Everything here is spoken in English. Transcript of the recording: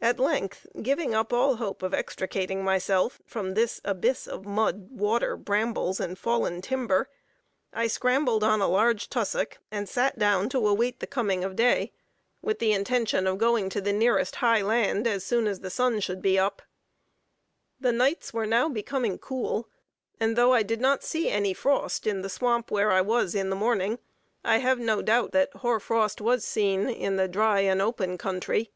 At length, giving up all hope of extricating myself from this abyss of mud, water, brambles, and fallen timber, I scrambled on a large tussock, and sat down to await the coming of day, with the intention of going to the nearest high land, as soon as the sun should be up. The nights were now becoming cool, and though I did not see any frost in the swamp where I was in the morning, I have no doubt that hoar frost was seen in the dry and open country.